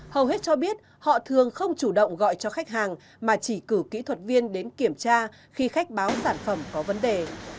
hầu hết cho biết họ thường không chủ động gọi cho khách hàng mà chỉ cử kỹ thuật viên đến kiểm tra khi khách báo sản phẩm có vấn đề